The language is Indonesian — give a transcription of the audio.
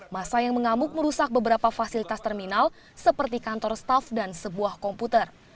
masa yang mengamuk merusak beberapa fasilitas terminal seperti kantor staff dan sebuah komputer